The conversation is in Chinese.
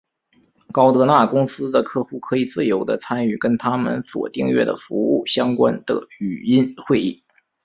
高德纳公司的客户可以自由的参与跟它们所订阅的服务相关的语音会议。